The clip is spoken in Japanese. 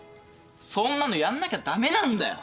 そんなのやんなきゃダメなんだよ。